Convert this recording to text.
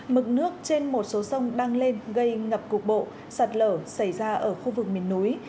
mực nước trên một số sông đang lên gây ngập cục bộ sạt lở xảy ra ở khu vực miền núi